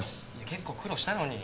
結構苦労したのに。